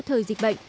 thời dịch bệnh